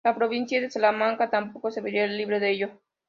La provincia de Salamanca tampoco se vería libre de ello.